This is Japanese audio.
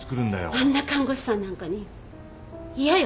あんな看護師さんなんかにイヤよ